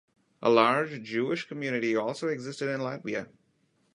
A large Jewish community also existed in Latvia.